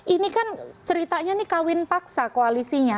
ini kan ceritanya ini kawin paksa koalisinya